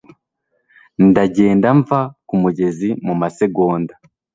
ndagenda mva ku mugezi. mu masegonda